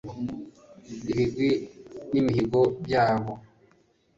ibigwi n'imihigo byabo